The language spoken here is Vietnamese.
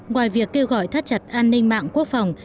ngoài việc kêu gọi thắt chặt an ninh mạng quốc phòng